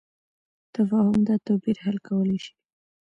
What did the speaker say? تفاهم دا توپیر حل کولی شي.